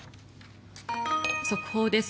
速報です。